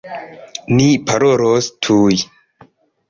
Ni parolos tuj!